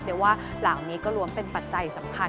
เดี๋ยวว่าหลังนี้ก็รวมเป็นปัจจัยสำคัญ